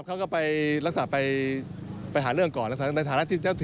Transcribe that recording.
เขาก็ไปลักษณะไปไปหาเรื่องก่อนลักษณะในฐานะที่เจ้าถึง